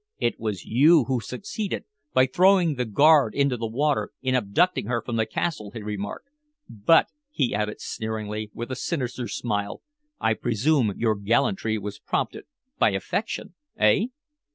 "It was you who succeeded, by throwing the guard into the water, in abducting her from the castle," he remarked. "But," he added sneeringly, with a sinister smile, "I presume your gallantry was prompted by affection eh?"